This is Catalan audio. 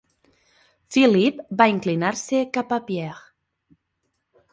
Philip va inclinar-se cap a Pierre.